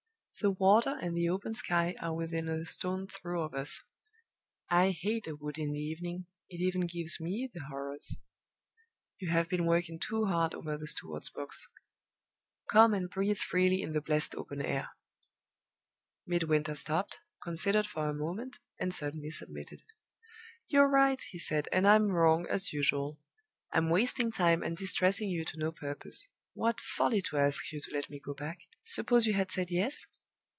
The water and the open sky are within a stone's throw of us. I hate a wood in the evening; it even gives me the horrors. You have been working too hard over the steward's books. Come and breathe freely in the blessed open air." Midwinter stopped, considered for a moment, and suddenly submitted. "You're right," he said, "and I'm wrong, as usual. I'm wasting time and distressing you to no purpose. What folly to ask you to let me go back! Suppose you had said yes?"